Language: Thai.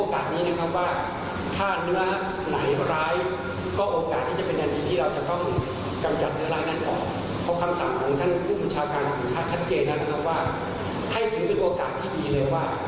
ข้าเช็ทเจนได้นำยังว่าเอาถือเป็นโอกาสที่ดีเลยว่า